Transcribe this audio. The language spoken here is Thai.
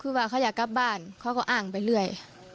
คือว่าเขาอยากกลับบ้านเขาก็อ้างไปเรื่อย